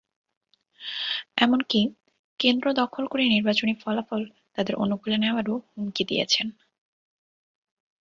এমনকি কেন্দ্র দখল করে নির্বাচনী ফলাফল তাঁদের অনুকূলে নেওয়ারও হুমকি দিয়েছেন।